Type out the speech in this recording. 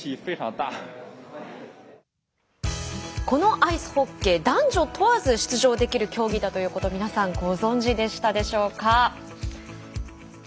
このアイスホッケー男女問わず出場できる競技だということを皆さんご存じでしたでしょうか。